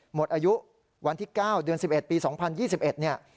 หมดอายุวันที่๙เดือน๑๑ปี๒๐๒๑เนี่ย